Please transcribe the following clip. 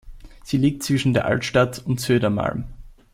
Sie liegt zwischen der Altstadt und Södermalm.